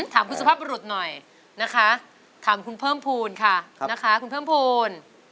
ถามคุณสุภาพบรุษหน่อยนะคะถามคุณเพิ่มภูมิค่ะนะคะคุณเพิ่มภูมิ